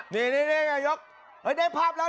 นี่นี่นี่ยกได้ภาพแล้วได้ภาพแล้ว